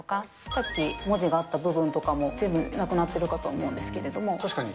さっき文字があった部分とかも全部なくなっているかと思うんです確かに。